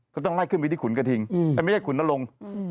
ก็ต้องไล่ขึ้นไปที่ขุนกระทิงแต่ไม่ใช่ขุนนรงค์